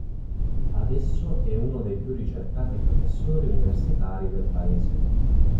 Adesso è uno dei più ricercati professori universitari del paese.